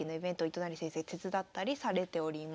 糸谷先生手伝ったりされております。